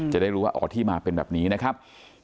จะได้รู้ว่าอ๋อที่มาเป็นแบบนี้นะครับ